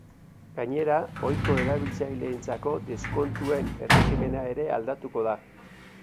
Gainera, ohiko erabiltzaileentzako deskontuen erregimena ere aldatuko da.